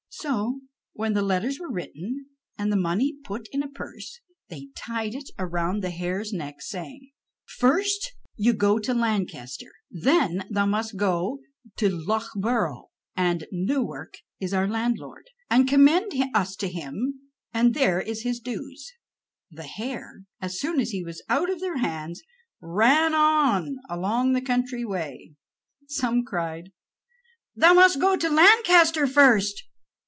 So when the letters were written and the money put in a purse, they tied it round the hare's neck, saying: "First you go to Lancaster, then you must go to Loughborough, and Newarke is our landlord, and commend us to him, and there are his dues." The hare, as soon as he was out of their hands, ran on along the country way. Some cried: "You must go to Lancaster first."